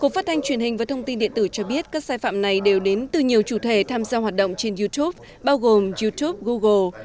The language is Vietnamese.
cục phát thanh truyền hình và thông tin điện tử cho biết các sai phạm này đều đến từ nhiều chủ thể tham gia hoạt động trên youtube bao gồm youtube google